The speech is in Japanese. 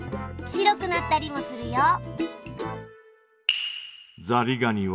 白くなったりもするよ。